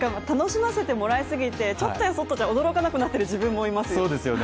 楽しませてもらいすぎて、ちょっとやそっとじゃ驚かなくなっている自分もいます。